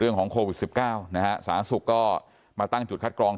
เรื่องของโควิด๑๙สหรัฐสุขก็มาตั้งจุดคัดกรอง